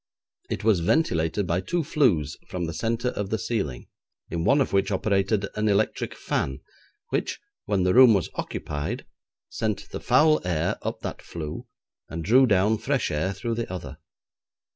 It was ventilated by two flues from the centre of the ceiling, in one of which operated an electric fan, which, when the room was occupied, sent the foul air up that flue, and drew down fresh air through the other.